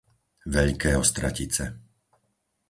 Veľké Ostratice